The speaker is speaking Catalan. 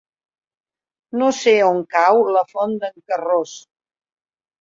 No sé on cau la Font d'en Carròs.